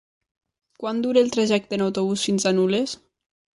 Quant dura el trajecte en autobús fins a Nules?